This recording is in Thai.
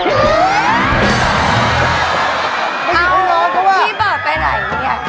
เอ้าพี่บาดไปไหนเนี่ย